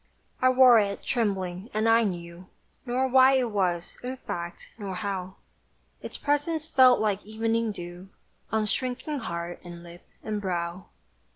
I wore it, trembling, and I knew Nor why it was, in fact, nor how Its presence fell like evening dew On shrinking heart, and lip and brow!